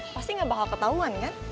pasti gak bakal ketahuan kan